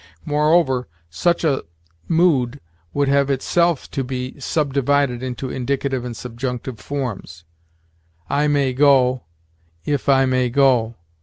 Moreover, such a mood would have itself to be subdivided into indicative and subjunctive forms: 'I may go,' 'if I may go.'